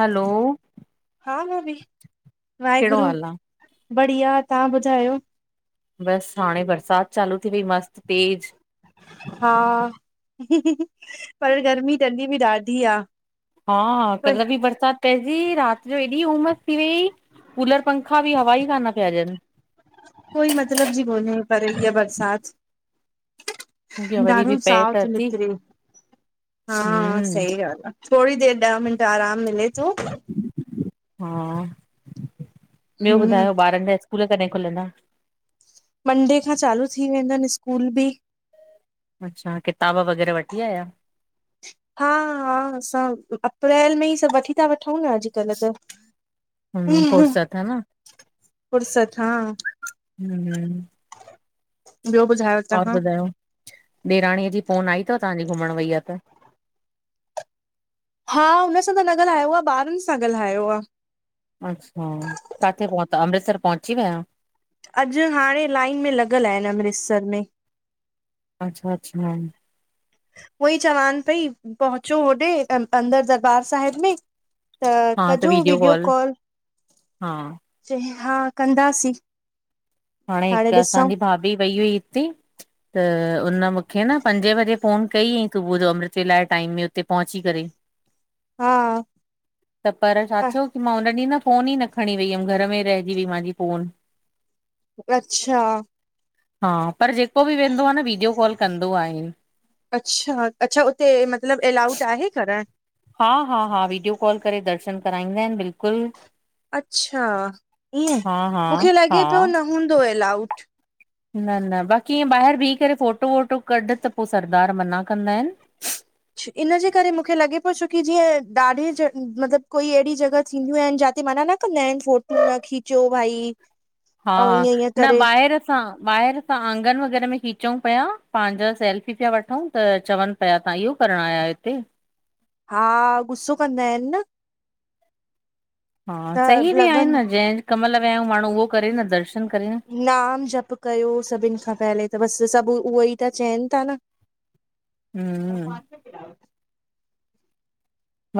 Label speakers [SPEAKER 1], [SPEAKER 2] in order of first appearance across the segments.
[SPEAKER 1] हलो
[SPEAKER 2] हा [inaudible]
[SPEAKER 1] कहिड़ो
[SPEAKER 2] वाहेगुरु
[SPEAKER 1] हाल आ?
[SPEAKER 2] बढ़िया तव्हां ॿुधायो
[SPEAKER 1] बस हाणे बरसात चालू थी वई मस्त तेज
[SPEAKER 2] हा पर गर्मी तॾहिं बि ॾाढी आहे
[SPEAKER 1] हा कल बि बरसात पंहिंजी राति जो हेॾी उमसि थी वई कूलर पंखा बि हवा ई कान पिया ॾयनि
[SPEAKER 2] कोई मतलब जी कोने पर हिअ बरसात
[SPEAKER 1] मूं चयो वरी
[SPEAKER 2] ॾाढो
[SPEAKER 1] बि पए
[SPEAKER 2] साहु
[SPEAKER 1] त
[SPEAKER 2] तो
[SPEAKER 1] अची।
[SPEAKER 2] निकरे मतरी हा
[SPEAKER 1] हम्म,
[SPEAKER 2] सही ॻाल आहे थोरी देरि ॾह मिंट आराम मिले थो
[SPEAKER 1] हा ॿियो
[SPEAKER 2] हम्म
[SPEAKER 1] ॿुधायो ॿारनि जा स्कूल कॾहिं खुलंदा
[SPEAKER 2] मंडे खां चालू थी वेंदनि स्कूल बि
[SPEAKER 1] अच्छा किताब वग़ैरह वठी आया
[SPEAKER 2] हा हा असां अप्रैल में ई सभु वठी था वठूं न अॼु कल त
[SPEAKER 1] हम्म,
[SPEAKER 2] हम
[SPEAKER 1] फुर्सत हा न?
[SPEAKER 2] फुर्सत हा
[SPEAKER 1] हम
[SPEAKER 2] ॿियो ॿुधायो
[SPEAKER 1] और
[SPEAKER 2] तव्हां
[SPEAKER 1] ॿुधायो ॾेराणीअ जी फोन आई अथव तव्हांजी घुमण वई आहे त
[SPEAKER 2] हा हुन सां त न ॻाल्हायो आहे ॿारनि सां ॻाल्हायो आहे
[SPEAKER 1] अच्छा काथे पहुता अमृतसर पहुची विया
[SPEAKER 2] अॼु हाणे लाइन में लॻियलि आहिन अमृतसर में
[SPEAKER 1] अच्छा अच्छा
[SPEAKER 2] उहई चवान पई पहुचो होॾे अंदर दरबार साहिब में त कजो वीडियो कॉल
[SPEAKER 1] हा
[SPEAKER 2] चईं हा कंदासीं
[SPEAKER 1] हाणे हिकु असांजी भाभी वई हुई हिते त उन मूंखे न पंजे वजे फ़ोन कईं सुबुह जो अमृतवेल टाइम में उते पहुची करे
[SPEAKER 2] हा
[SPEAKER 1] त पर छा थियो की मां हुन ॾींहुं न फोन ई न खणी वई हुमि घर में रहिजी वई मुंहिंजी फोन
[SPEAKER 2] अच्छा
[SPEAKER 1] हा पर जेको बि वेंदो आहे न वीडियो कॉल कंदो आहे
[SPEAKER 2] अच्छा अच्छा उते मतलबु एलाउड आहे करणु
[SPEAKER 1] हा हा हा वीडियो कॉल करे दर्शन कराईंदा आहिन बिल्कुलु
[SPEAKER 2] अच्छा ईअं
[SPEAKER 1] हा हा
[SPEAKER 2] मूंखे
[SPEAKER 1] हा
[SPEAKER 2] लॻे पियो न हूंदो एलाउ
[SPEAKER 1] न न बाक़ी इअं ॿाहिरि बीह करे फोटो वोटो कढ त पोइ सरदार मना कंदा आहिन
[SPEAKER 2] इनजे करे मूंखे लॻे पियो छोकी जीअं ॾाढी मतिलबु कोई अहिड़ी जॻहि थींदियूं आहिनि जाते माना न, तो नेन फोटू न खीचियो भाई, ऐं
[SPEAKER 1] हा,
[SPEAKER 2] ईअं ईअं
[SPEAKER 1] न
[SPEAKER 2] करे
[SPEAKER 1] बाहिर असां ॿाहिरि असां आंगन वग़ैरह में खीचऊं पिया पंहिंजा सेल्फी पिया वठऊं त चवनि पिया तां इहो करण आयायो हिते,
[SPEAKER 2] हा, गुस्सो कंदा आहिनि न,
[SPEAKER 1] हा,
[SPEAKER 2] त
[SPEAKER 1] सही बि आहे
[SPEAKER 2] लॻनि
[SPEAKER 1] न जंहिं कम लाइ विया आहियूं, माण्हू उहो करे न दर्शन करे न,
[SPEAKER 2] नाम जप कयो सभिनि खां पहले त बसि सभु उहे ई त चयनि ता न, ह
[SPEAKER 1] हम्म
[SPEAKER 2] [inaudible]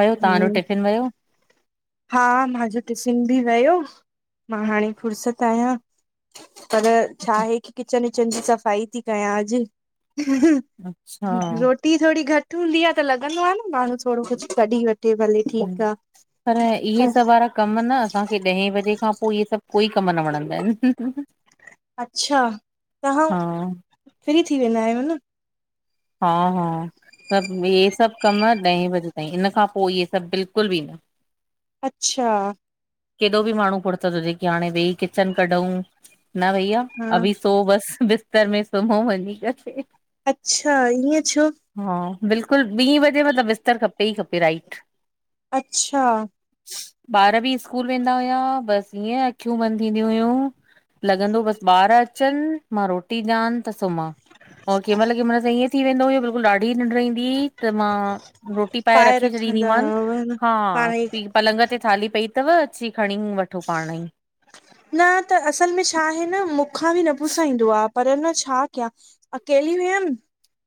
[SPEAKER 1] वयो तव्हां जो
[SPEAKER 2] हम्म
[SPEAKER 1] टिफ़िन वयो?
[SPEAKER 2] हा, मांजो टिफ़िन बि वियो, मां हाणे फ़ुर्सत आहियां। पर छा आहे की किचन विचन जी सफ़ाई ती कयां अॼु,
[SPEAKER 1] अच्छा
[SPEAKER 2] रोटी थोड़ी घटि हूंदी आ त लॻंदो आ न माण्हू थोड़ो कुछ कढी वठे भले, ठीकु आ।
[SPEAKER 1] पर इहे सभ वारा कम न असांखे ॾहें बजे खां पो इहे सभु कोई कम न वणंदा आहिनि।
[SPEAKER 2] अच्छा, तव्हां
[SPEAKER 1] हा
[SPEAKER 2] फ्री थी वेंदा आहियो न?
[SPEAKER 1] हा- हा। सभु हे सभु कम ॾहें बजे ताईं इन खां पो इहे सभु बिल्कुल बि न।
[SPEAKER 2] अच्छा।
[SPEAKER 1] केॾो बि माण्हू फुरसत हूजे की हाणे वेई किचन कढूं न भईया।
[SPEAKER 2] हा
[SPEAKER 1] अभी सो बस बिस्तर में सुम्हऊं वञी करे।
[SPEAKER 2] अच्छा, ईअं छो?
[SPEAKER 1] हा, बिल्कुलु ॿी बजे मतिलबु बिस्तर खपे ई खपे राइट।
[SPEAKER 2] अच्छा।
[SPEAKER 1] ॿार बि स्कूल वेंदा हुया, बसि ईअं अखियूं बंदि थींदी हुयूं, लॻंदो बसि ॿार अचनि, मां रोटी ॾियानि त सुम्हां। ओ कंहिंमहिल कंहिंमहिल त ईअं थी वेंदो हुयो बिल्कुलु ॾाढी निंड ईंदी ही त मां रोटी पाए रखे छॾींदी
[SPEAKER 2] रखंदा
[SPEAKER 1] मान,
[SPEAKER 2] हुआ
[SPEAKER 1] हा
[SPEAKER 2] पाण ई
[SPEAKER 1] पलंग ते थाली पई तव अची खणी वठो पाण ई।
[SPEAKER 2] न त असल में छा आहे न मूंखां बि न पुसाईंदो आ, पर न छा कयां? अकेली हुयम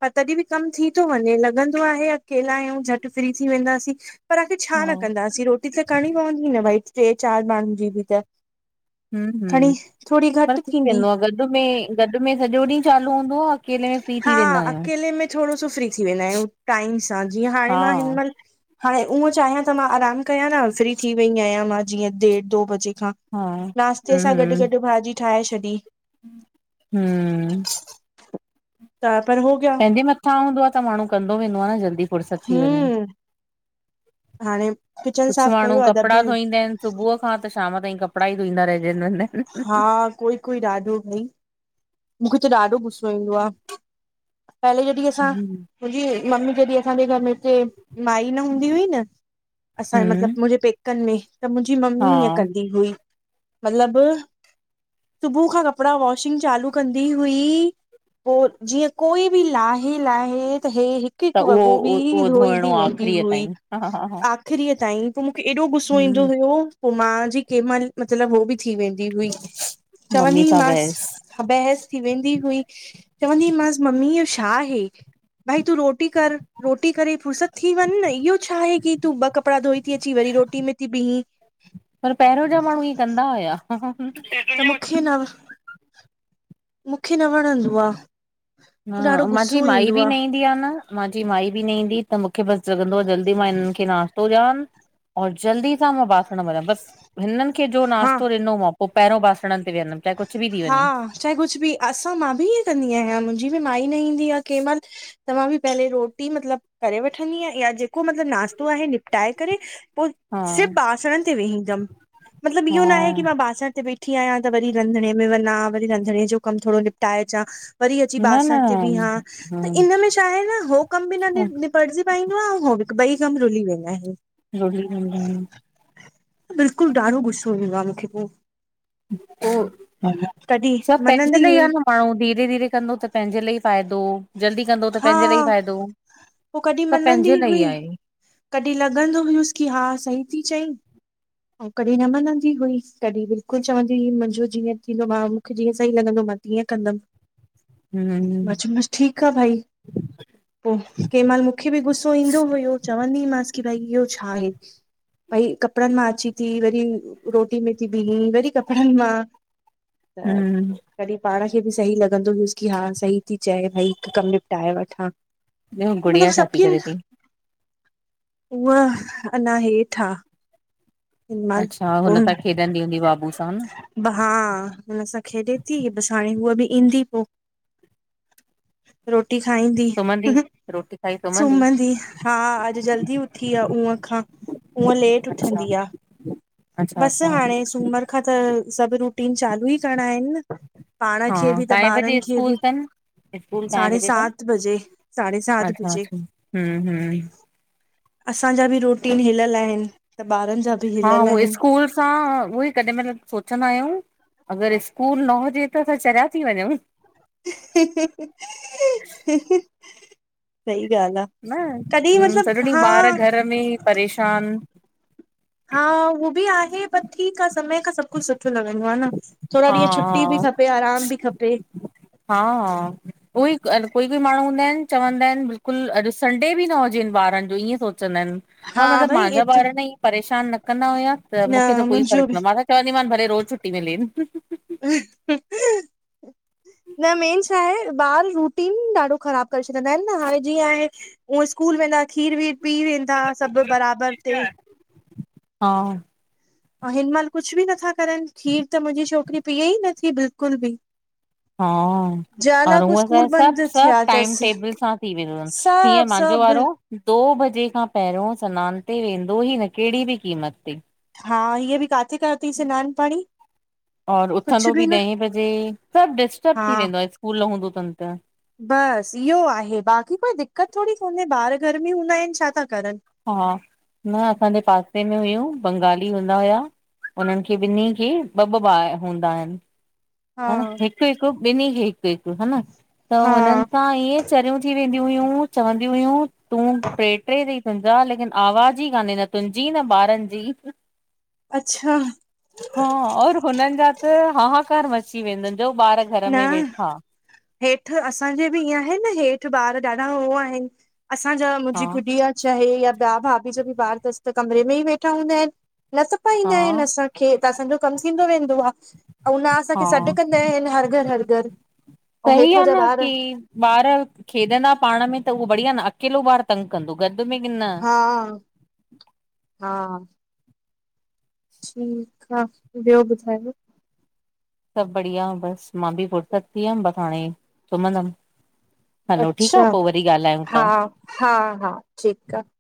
[SPEAKER 2] पर तॾहिं बि कमु थी तो वञे लॻंदो आहे अकेला आयूं झटि फ्री थी वेंदासीं, पर आखिर
[SPEAKER 1] हा
[SPEAKER 2] छा न कंदासीं, रोटी त करिणी पवंदी न भई टे चारि माण्हुनि जी बि त,
[SPEAKER 1] हु -हुं,
[SPEAKER 2] खणी थोरी
[SPEAKER 1] पर
[SPEAKER 2] घटि
[SPEAKER 1] थी
[SPEAKER 2] थींदी
[SPEAKER 1] वेंदो आ गॾ में गॾ में सॼो ॾींहुं चालू हूंदो आ। अकेले में फ्री
[SPEAKER 2] हा,
[SPEAKER 1] थी वेंदा आहियूं।
[SPEAKER 2] अकेले में थोड़ो सो फ्री थी वेंदायूं, टाइम सां जीअं
[SPEAKER 1] हा
[SPEAKER 2] हाणे मां हिनमहिल हाणे उहं चाहियां त मां आराम कयां न फ्री थी वई आहियां मां जीअं ॾेढ दो बजे खां।
[SPEAKER 1] हा
[SPEAKER 2] नाश्ते सां गॾु
[SPEAKER 1] हम्म
[SPEAKER 2] गॾु भाॼी ठाहे छॾी।
[SPEAKER 1] हम्म
[SPEAKER 2] त पर हो गया।
[SPEAKER 1] पहिंजे मथां हूंदो आ त माण्हू कंदो वेंदो आ न जल्दी फुरसत थी वञे।
[SPEAKER 2] हम्म हाणे किचन
[SPEAKER 1] कुछ
[SPEAKER 2] साफ़
[SPEAKER 1] माण्हू
[SPEAKER 2] कयो आहे त बि
[SPEAKER 1] कपिड़ा धोईंदाइन। सुबुह खां त शाम ताईं कपिड़ा ई धोईंदा रहिजंदाइन न?
[SPEAKER 2] हा, कोई- कोई ॾाढो भई मूंखे त ॾाढो गुस्सो ईंदो आ, पहले जॾहिं असां
[SPEAKER 1] हम्म
[SPEAKER 2] मुंहिंजी मम्मी जॾहिं असांजे घर में हिते माई न हूंदी हुई न असांजे
[SPEAKER 1] हम्म
[SPEAKER 2] मतलबु मुंहिंजे पेकनि में त मुंहिंजी
[SPEAKER 1] हा
[SPEAKER 2] मम्मी ईअं कंदी हुई। मतलब सुबुह खां कपिड़ा वॉशिंग चालू कंदी हुई पोइ जीअं कोई बि लाहे लाहे त हे हिकु
[SPEAKER 1] त
[SPEAKER 2] हिकु
[SPEAKER 1] उहो
[SPEAKER 2] वॻो बि
[SPEAKER 1] उहो धोइणो
[SPEAKER 2] धोईंदी
[SPEAKER 1] आ
[SPEAKER 2] वेंदी
[SPEAKER 1] आख़िरीअ
[SPEAKER 2] हुई
[SPEAKER 1] ताईं हा हा हा
[SPEAKER 2] आख़िरीअ ताईं पोइ मू खे एॾो गुस्सो ईंदो
[SPEAKER 1] हम्म
[SPEAKER 2] हुयो। पोइ मां जी केहिं महिल मतिलबु हो बि थी वेंदी हुई,
[SPEAKER 1] मम्मी सां
[SPEAKER 2] चवंदीमास
[SPEAKER 1] बहस
[SPEAKER 2] त बहस थी वेंदी हुई चवंदी हुईमसि मम्मी इहो हे छा हे। भाई तू रोटी कर, रोटी करे फुरसत थी वञ न इहो छा आहे की तूं ॿ कपिड़ा धोई ती अची वरी रोटी में थी ॿीह
[SPEAKER 1] पर पहिरियों जा माण्हू ईअं कंदा हुया।
[SPEAKER 2] त मूंखे न मूंखे न वणंदो आ।
[SPEAKER 1] हा मांजी माई बि न ईंदी आ न मांजी माई बि न ईंदी त मूंखे बसि लॻंदो आहे जल्दी मां हिननि खे नाश्तो ॾियान और जल्दी सां मां बासण मलयां बस। हिननि खे जो
[SPEAKER 2] हा
[SPEAKER 1] नाश्तो ॾिनो मां पोइ पहिरों बासणनि ते वेहंदमि चाहे कुझु बि थी
[SPEAKER 2] हा
[SPEAKER 1] वञे।
[SPEAKER 2] चाहे कुझु बि असां मां बि ईअं कंदी आहियां मुंहिंजी बि माई न ईंदी आ केह महिल त मां बि पहले रोटी मतिलबु करे वठंदी आहियां या जेको मतिलबु नाास्तो आहे निपटाए करे पोइ
[SPEAKER 1] हा
[SPEAKER 2] सिर्फ़ बासण ते वेहींदमि मतिलबु इहो न आहे
[SPEAKER 1] हा
[SPEAKER 2] की मां बासण ते वेठी आहियां त वरी रंधिणे में वञा वरी रंधिणे जो कम थोरो निपटाए चा वरी अची
[SPEAKER 1] न न
[SPEAKER 2] बासण ते विहा त इन में छा आहे न हो कम बि न निप पड़जी पाई दो आ, हो ॿई कम रुली वेंदा आहिन।
[SPEAKER 1] [inaudible]
[SPEAKER 2] बिल्कुलु ॾाढो गुस्सो ईंदो आ मूंखे पोइ पोइ
[SPEAKER 1] [unintelligible]
[SPEAKER 2] कॾहिं
[SPEAKER 1] सभु पहिंजे
[SPEAKER 2] मनंदी
[SPEAKER 1] लाइ आ
[SPEAKER 2] हुई
[SPEAKER 1] न। पाण्ह हू धीरे धीरे कंदो त पंहिंजे लाइ ई फ़ाइदो जल्दी कंदो त
[SPEAKER 2] हा
[SPEAKER 1] पंहिंजे लाइ ई फ़ाइदो,
[SPEAKER 2] पोइ कॾहिं
[SPEAKER 1] सभु पंहिंजे
[SPEAKER 2] मनंदी
[SPEAKER 1] लाइ ई
[SPEAKER 2] हुई
[SPEAKER 1] आहे।
[SPEAKER 2] कॾहिं लॻंदो हुयसि की हा सही थी चईं। ऐं कॾहिं न मनंदी हुई कॾहिं बिल्कुलु चवंदी हुई मुंहिंजो जीअं थींदो मां मूंखे जीअं सही लॻंदो मा तीअं कंदम।
[SPEAKER 1] [inaudible] हम्म
[SPEAKER 2] मां चयमास ठीकु आ भाई। पोइ कंहिं महिल मूंखे बि गुस्सो ईंदो हुयो चवंदीमांसि की भई इहो छा आहे? भई कपिड़नि मां अची थी, वरी रोटी में थी बिही, वरी कपिड़नि मां त
[SPEAKER 1] हम्म
[SPEAKER 2] पोइ कॾहिं पाण खे बि सही लॻंदो हुयुसि, की हा सही थी चए भई हिकु कमु निपटाए वठां।
[SPEAKER 1] ॿियो
[SPEAKER 2] त मतलब
[SPEAKER 1] गुड़िया छा
[SPEAKER 2] सभ
[SPEAKER 1] थी
[SPEAKER 2] कीअं
[SPEAKER 1] करे
[SPEAKER 2] आहे।
[SPEAKER 1] पई
[SPEAKER 2] उह अञा हेठ आ।
[SPEAKER 1] अच्छा
[SPEAKER 2] मां [unintelligible]
[SPEAKER 1] हुन सां खेॾंदी हूंदी बाबू सां न
[SPEAKER 2] [unintelligible] हा हुन सां खेॾे थी बसि हाणे उहा बि ईंदी पोइ रोटी खाईंदी।
[SPEAKER 1] सुम्हंदी रोटी खाई त
[SPEAKER 2] सुम्हंदी, हा अॼु जल्दी उथी आह ऊअ खां। ऊअ लेट
[SPEAKER 1] अच्छा
[SPEAKER 2] उठन्दी आह।
[SPEAKER 1] अच्छा
[SPEAKER 2] बसि
[SPEAKER 1] अच्छा
[SPEAKER 2] हाणे सूमरु खां त सभु रूटीन चालू ई करणा आहिनि न पाण
[SPEAKER 1] हा
[SPEAKER 2] खे बि त
[SPEAKER 1] काएं बजे
[SPEAKER 2] ॿारनि खे
[SPEAKER 1] स्कूल
[SPEAKER 2] बि
[SPEAKER 1] तन स्कूल काएं
[SPEAKER 2] साढे
[SPEAKER 1] बजे तन
[SPEAKER 2] सात बजे, साढे सात
[SPEAKER 1] अच्छा
[SPEAKER 2] बजे
[SPEAKER 1] अच्छा हूं हूं
[SPEAKER 2] असांजा बि रुटीन हिलियल आहिनि त ॿारनि जा बि
[SPEAKER 1] हा
[SPEAKER 2] हिलियल
[SPEAKER 1] उहो
[SPEAKER 2] आहिनि
[SPEAKER 1] स्कूल असां उहो ई कॾी महिल सोचंदा आहियूं अगरि स्कूल न हुजे त असां चरिया थी वञूं।
[SPEAKER 2] सही ॻाल्हि आहे
[SPEAKER 1] न
[SPEAKER 2] कॾहिं
[SPEAKER 1] सॼो
[SPEAKER 2] मतिलबु
[SPEAKER 1] ॾींहुं ॿार
[SPEAKER 2] हा
[SPEAKER 1] घर में परेशान
[SPEAKER 2] हा उह बि आहे पर ठीकु आ समय खां सभु कुझु सुठ सुठो लॻंदो आ न थोरा
[SPEAKER 1] हा
[SPEAKER 2] ॾींहं छुटी बि
[SPEAKER 1] हा
[SPEAKER 2] खपे आरामु बि खपे
[SPEAKER 1] हा उहोई कोई कोई माण्हू हूंदा आहिनि चवंदा आहिनि बिल्कुलु अॼु संडे बि न हुजेनि ॿारनि जो ईअं सोचंदा आहिनि
[SPEAKER 2] हा
[SPEAKER 1] मा मतिलब
[SPEAKER 2] भई
[SPEAKER 1] मुंहिंजा
[SPEAKER 2] एतिरो
[SPEAKER 1] बार न ई परेशान न कंदा हुया त
[SPEAKER 2] न
[SPEAKER 1] मूंखे त कोई
[SPEAKER 2] मुंहिंजो बि
[SPEAKER 1] फ़र्क़ु न, मां त चवंदीमानि भले रोजु छुटी मिलेन।
[SPEAKER 2] न मेन छाहे त ॿार रुटीन ॾाढो ख़राबु करे छॾंदा आहिनि न, हाणे जीअं आहे उअ स्कूल वेंदा खीर वीर पी वेंदा सभु बराबरि ते
[SPEAKER 1] हा
[SPEAKER 2] ओ हिन महिल कुझु बि नथा करनि, खीर त मुंहिंजी छोकिरी पीए ई नथी बिल्कुलु बि
[SPEAKER 1] हा, और
[SPEAKER 2] ज़ाल पो
[SPEAKER 1] हूअ छाहे
[SPEAKER 2] स्कूल
[SPEAKER 1] सभु,
[SPEAKER 2] बंदि
[SPEAKER 1] सभु
[SPEAKER 2] थिया
[SPEAKER 1] टाईम
[SPEAKER 2] अथसि
[SPEAKER 1] टेबल सां थी वेंदो तन हीअं
[SPEAKER 2] सभु
[SPEAKER 1] मांझो
[SPEAKER 2] सभु
[SPEAKER 1] वारो दो बजे खां पहिरियों स्नान ते वेंदो ई न, केहड़ी बी क़ीमत ते
[SPEAKER 2] हा, हीअ बि काथे कयोतई स्नानु पाणी
[SPEAKER 1] और
[SPEAKER 2] कुझु
[SPEAKER 1] उथंदो बि
[SPEAKER 2] न
[SPEAKER 1] ॾहे बजे, सभु डिस्टब थी वेंदो आ स्कूल न हूंदो तन त
[SPEAKER 2] बसि इहो आहे बाक़ी कोई दिक्क़त थोडी कोन्हे ॿार घर में हूंदा आहिनि छा ता करनि
[SPEAKER 1] हा, न असांजे पासे में हुयूं बंगाली हूंदा हुया उननि खे ॿिनी खे ॿ ॿ ॿार हूंदा हनि हा न हिकु हिकु ॿिन्हि खे हिकु हिकु हा न त
[SPEAKER 2] हा
[SPEAKER 1] हुननि सां ईएं चरियूं थी वेंदी हुयूं चवंदी हुयूं तूं टे टे तई तुंहिंजा लेकिन आवाज ई कान्हे न तुंजी न ॿारनि जी
[SPEAKER 2] अच्छा
[SPEAKER 1] हा और हुननि जा त हाहाकार मची वेंदन जो ॿार घर
[SPEAKER 2] न
[SPEAKER 1] में वेठा
[SPEAKER 2] हेठि असांजे बि ईअ आहे न हेठि ॿारु ॾाढा हो आहिनि असांजा
[SPEAKER 1] हा
[SPEAKER 2] मुंहिंजी गुॾी आ चाहे या ॿिया भाभी जा बि ॿार तस त कमरे में ई वेठा हूंदा आहिनि न तपाईंदा
[SPEAKER 1] हा
[SPEAKER 2] आहिनि असांखे, त असांजो कमु थींदो वेंदो आ अऊ न असांखे
[SPEAKER 1] हा
[SPEAKER 2] सॾु कंदा आहिनि हर घर हर घर, अऊं
[SPEAKER 1] सही
[SPEAKER 2] हेठां
[SPEAKER 1] आहे
[SPEAKER 2] जा
[SPEAKER 1] न
[SPEAKER 2] ॿार
[SPEAKER 1] की ॿार खेॾंदा पाण में त उहो बढ़िया न, अकेलो ॿारु तंग कंदो गॾु में न
[SPEAKER 2] हा हा ठीकु आ, ॿियो ॿुधायो?
[SPEAKER 1] सभु बढ़िया बसि मां बि फ़ुरसत थी वयमि बसि हाणे सुम्हंदमि हलो, ठीकु आ
[SPEAKER 2] अच्छा
[SPEAKER 1] पो वरी ॻाल्हायूं
[SPEAKER 2] हा
[SPEAKER 1] ता।
[SPEAKER 2] हा हा ठीकु आ।